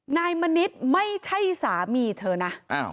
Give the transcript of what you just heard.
นายมณิษฐ์ไม่ใช่สามีเธอนะ